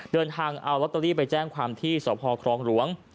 เดินทางเอาลอตเตอรี่ไปแจ้งความที่สพครองหลวง